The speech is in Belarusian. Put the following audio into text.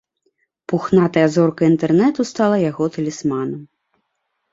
Пухнатая зорка інтэрнэту стала яго талісманам.